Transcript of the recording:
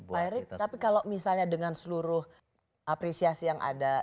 pak erick tapi kalau misalnya dengan seluruh apresiasi yang ada